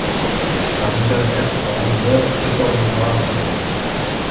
Marie-Jeanne Hersent meurt quatorze mois après son époux.